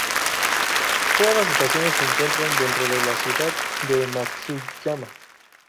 Todas las estaciones se encuentran dentro de la Ciudad de Matsuyama.